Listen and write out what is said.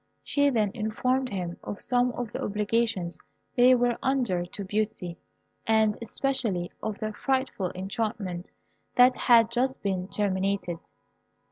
She then informed him of some of the obligations they were under to Beauty, and especially of the frightful enchantment that had just been terminated.